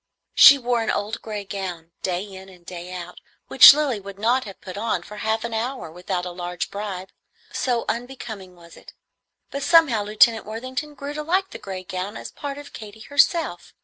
She wore an old gray gown, day in and day out, which Lilly would not have put on for half an hour without a large bribe, so unbecoming was it; but somehow Lieutenant Worthington grew to like the gray gown as a part of Katy herself.